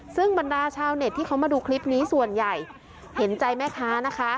ซึ่งบรรดาชาวเน็ตที่เขามาดูคลิปนี้ส่วนใหญ่เห็นใจแม่ค้านะคะ